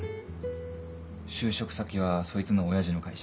就職先はそいつの親父の会社。